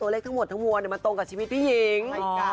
เลขทั้งหมดทั้งมวลมันตรงกับชีวิตพี่หญิง